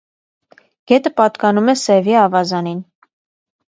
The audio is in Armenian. Գետը պատկանում է Սևի ավազանին։